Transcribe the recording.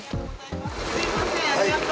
すみません、ありがとう。